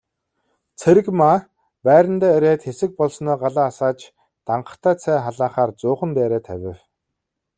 Цэрэгмаа байрандаа ирээд хэсэг болсноо галаа асааж данхтай цай халаахаар зуухан дээрээ тавив.